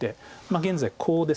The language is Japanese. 現在コウですよね。